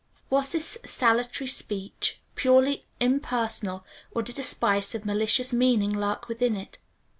Was this salutary speech purely impersonal or did a spice of malicious meaning lurk within it?